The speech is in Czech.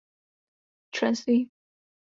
Členství?